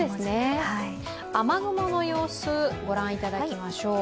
雨雲の様子、ご覧いただきましょう。